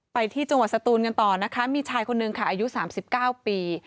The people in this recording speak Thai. ไปที่จังหวัดสตูนกันต่อนะคะมีชายคนนึงค่ะอายุ๓๙ปี